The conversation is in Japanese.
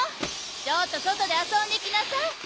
ちょっとそとであそんできなさい。